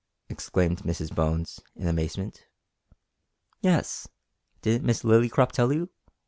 exclaimed Mrs Bones in amazement. "Yes; didn't Miss Lillycrop tell you?"